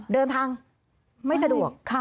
เดินทางไม่สะดวก